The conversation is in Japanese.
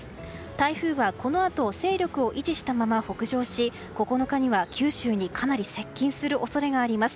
台風は、このあと勢力を維持したまま北上し９日には九州にかなり接近する恐れがあります。